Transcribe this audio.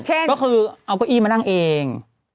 เช่นก็คือเอาก้วยอี้มานั่งเอง